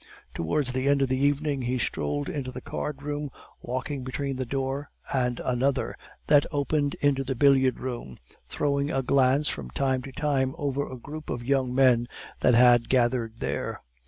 Towards the end of the evening he strolled into the cardroom, walking between the door and another that opened into the billiard room, throwing a glance from time to time over a group of young men that had gathered there.